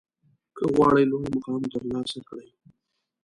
که غواړئ لوړ مقام ترلاسه کړئ